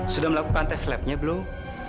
sudah melakukan tes labnya belum